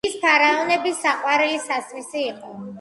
ის ფარაონების საყვარელი სასმელი იყო.